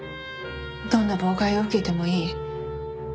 どんな妨害を受けてもいい。